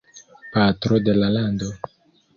Patro de la Lando.